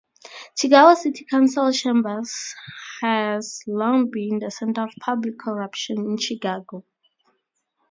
Chicago City Council Chambers has long been the center of public corruption in Chicago.